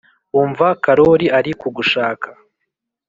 umva karori ari kugushaka